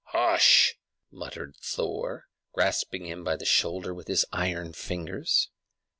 "Hush!" muttered Thor, grasping him by the shoulder with his iron fingers.